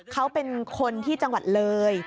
เขาเป็นคนที่จังหวัดเลย